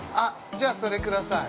◆じゃあ、それください。